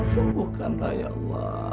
sembuhkanlah ya allah